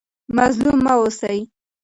مظلوم مه اوسئ.